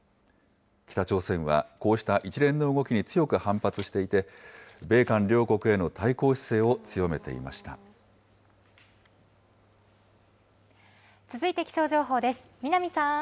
北朝鮮はこうした一連の動きに強く反発していて、米韓両国への対続いて気象情報です。